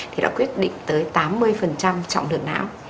thì đã quyết định tới tám mươi trọng lượng não